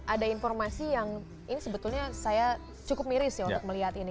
ada informasi yang ini sebetulnya saya cukup miris ya untuk melihat ini